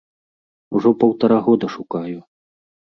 Ужо паўтара года шукаю.